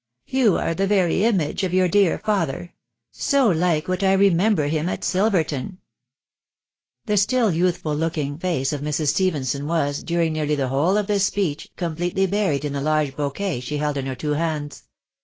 You are the very image of your dear father ! So Hke what I remember him at Silverton !" The stm youthful looking face of Mrs. Stephenson was, during nearly the whole of this speech, completely buried in the large bouquet she held in her two hands.